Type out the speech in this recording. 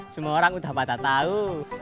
semua orang udah pada tahu